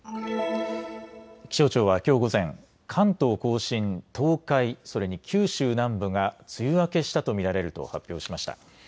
気象庁は、きょう午前、関東甲信、東海、それに九州南部が梅雨明けしたと見られると発表しました。